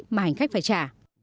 mà hành khách phải trả